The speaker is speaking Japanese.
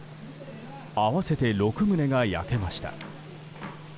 合わせて６棟が焼けました。